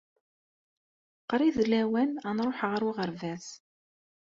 Qrib d lawan ad nruḥ ɣer uɣerbaz.